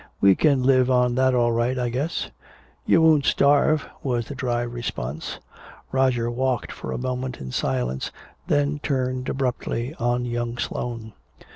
"We can live on that all right, I guess." "You won't starve," was the dry response. Roger walked for a moment in silence, then turned abruptly on young Sloane.